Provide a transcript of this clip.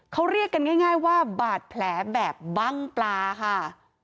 เขาเรียกกันง่ายว่าบาดแผลแบบบั้งปลาค่ะ